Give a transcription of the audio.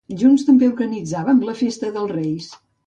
Junts també organitzàvem la festa dels reis.